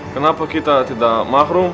kenapa kita tidak mahrum